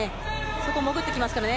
そこ、潜ってきますからね。